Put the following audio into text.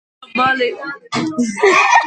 დედამ მალე იქვე გახსნა სოფლის პირველი საბავშვო ბაღი.